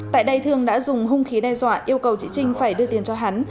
tại đây thương đã dùng hung khí đe dọa yêu cầu chị trinh phải đưa tiền cho hắn